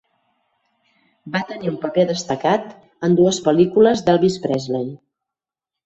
Va tenir un paper destacat en dues pel·lícules d'Elvis Presley.